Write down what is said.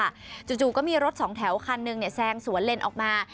ย่านบางฉลงค่ะจู่ก็มีรถสองแถวคันหนึ่งเนี่ยแซงสวนเล่นออกมา